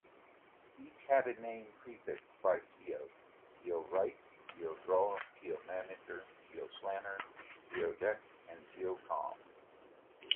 Each had a name prefixed by "Geo": GeoWrite, GeoDraw; GeoManager; GeoPlanner; GeoDex, and GeoComm.